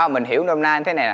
mình hiểu hôm nay như thế này